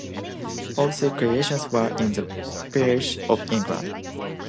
All three creations were in the Peerage of England.